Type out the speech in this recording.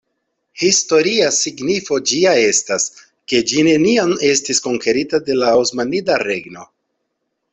Historia signifo ĝia estas, ke ĝi neniam estis konkerita de la Osmanida Regno.